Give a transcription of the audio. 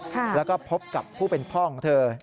แล้วก็พบกับผู้เป็นพ่อของเธอ